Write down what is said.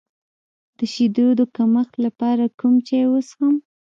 د شیدو د کمښت لپاره کوم چای وڅښم؟